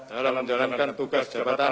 dalam menjalankan tugas jabatan